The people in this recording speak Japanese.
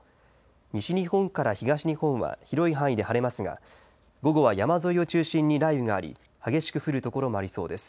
西日本から東日本は広い範囲で晴れますが午後は山沿いを中心に雷雨があり激しく降る所もありそうです。